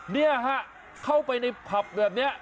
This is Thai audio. เนี่ยฮะเข้าไปในผับแบบนี้